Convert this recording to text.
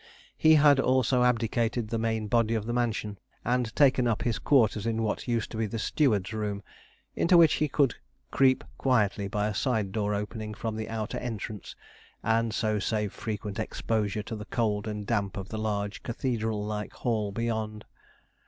He had also abdicated the main body of the mansion, and taken up his quarters in what used to be the steward's room; into which he could creep quietly by a side door opening from the outer entrance, and so save frequent exposure to the cold and damp of the large cathedral like hall beyond.